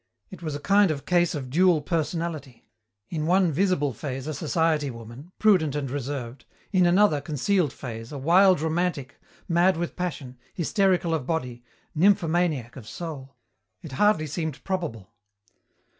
It was a kind of case of dual personality. In one visible phase a society woman, prudent and reserved, in another concealed phase a wild romantic, mad with passion, hysterical of body, nymphomaniac of soul. It hardly seemed probable.